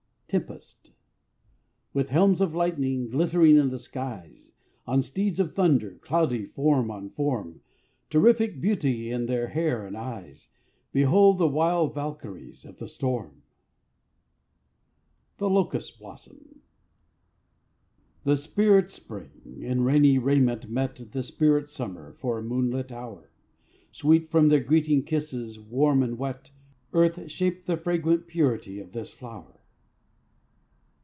TEMPEST. With helms of lightning, glittering in the skies, On steeds of thunder, cloudy form on form, Terrific beauty in their hair and eyes, Behold the wild Valkyries of the storm. THE LOCUST BLOSSOM. The spirit Spring, in rainy raiment, met The spirit Summer for a moonlit hour: Sweet from their greeting kisses, warm and wet, Earth shaped the fragrant purity of this flower.